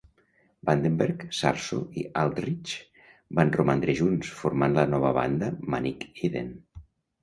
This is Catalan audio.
Vandenberg, Sarzo i Aldridge van romandre junts, formant la nova banda Manic Eden.